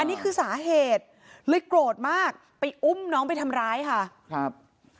นี่คือสาเหตุเลยโกรธมากไปอุ้มน้องไปทำร้ายค่ะครับ